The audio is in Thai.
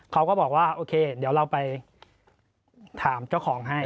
เขาก็บอกว่าโอเคเดี๋ยวเราไปถามเจ้าของให้